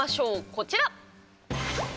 こちら！